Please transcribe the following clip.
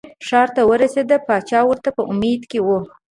ښار ته ورسېده پاچا ورته په امید کې و.